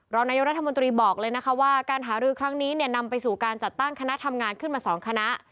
รองนายกรัฐมนตรีบอกเลยนะคะว่าการหารือครั้งนี้เนี่ยนำไปสู่การจัดตั้งคณะทำงานขึ้นมา๒คณะ